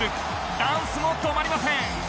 ダンスも止まりません。